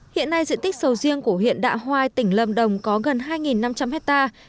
hiện nay diện tích sầu riêng của huyện đạ hoai tỉnh lâm đồng có gần hai năm trăm linh hectare